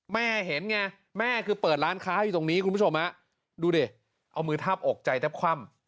แม่เห็นไงแม่คือเปิดร้านค้าอยู่ตรงนี้คุณผู้ชมดูดิเอามือทาบอกใจแทบคว่ำ